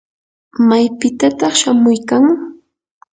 ¿maypitataq shamuykan?